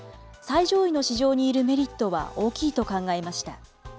最上位の市場にいるメリットは大きいと考えました。